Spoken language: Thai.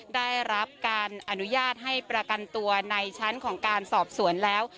ได้รับการอนุญาตให้ประกันตัวในชั้นของการสอบสวนแล้ว